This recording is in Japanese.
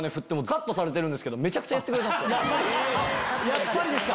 やっぱりですか！